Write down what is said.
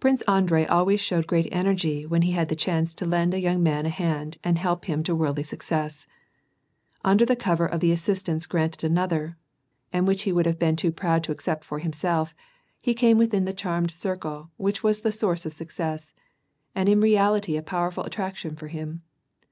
Prince Andrei always showed great energy when he had the chance to lend a young man a hand and help him to worldly success. Under cover of the assistance granted an other, and which he would have been too proud to accept for himself, he came within the charmed circle which was the source of success, and in reality a powerful attraction for him.